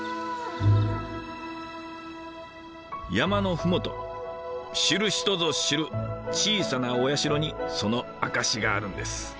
山の麓知る人ぞ知る小さなお社にその証しがあるんです。